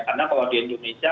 karena kalau di indonesia